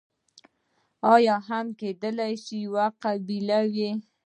یا هم کېدای شي یوه قبیله وي.